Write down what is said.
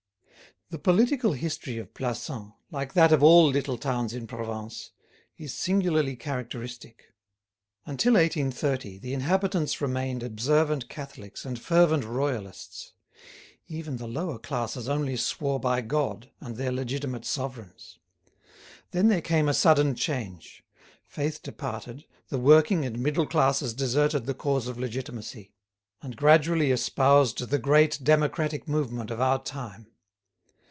The political history of Plassans, like that of all little towns in Provence, is singularly characteristic. Until 1830, the inhabitants remained observant Catholics and fervent royalists; even the lower classes only swore by God and their legitimate sovereigns. Then there came a sudden change; faith departed, the working and middle classes deserted the cause of legitimacy, and gradually espoused the great democratic movement of our time.